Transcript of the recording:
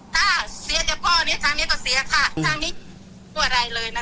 ปากไม่อายใจเนาะ